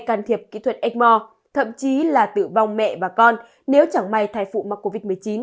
can thiệp kỹ thuật ếchmore thậm chí là tử vong mẹ và con nếu chẳng may thai phụ mắc covid một mươi chín